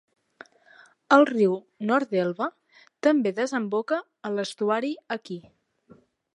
El riu Nordelva també desemboca a l'estuari aquí.